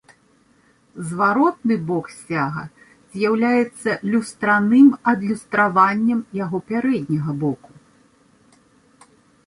Зваротны бок сцяга з'яўляецца люстраным адлюстраваннем яго пярэдняга боку.